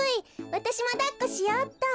わたしもだっこしようっと。